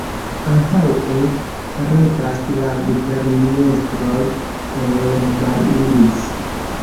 Antaŭe regas la guberniestroj el Mainz.